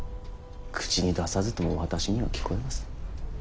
口に出さずとも私には聞こえます。